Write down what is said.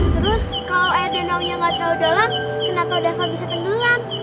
terus kalau air danaunya gak terlalu dalam kenapa dafa bisa tenggelam